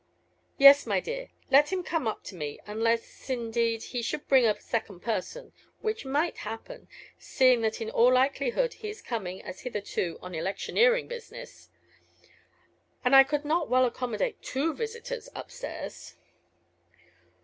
"Yes, my dear, let him come up to me; unless, indeed, he should bring a second person, which might happen, seeing that in all likelihood he is coming, as hitherto, on electioneering business. And I could not well accommodate two visitors up stairs."